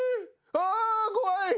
あ怖い！